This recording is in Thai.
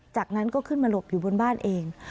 จากนั้นก็ขึ้นมาหลบอยู่บนบ้านเอง